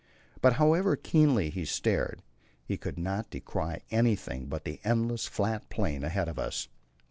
But, however keenly he stared, he could not descry anything but the endless flat plain ahead of us.